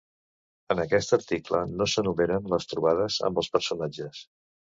En aquest article no s'enumeren les trobades amb els personatges.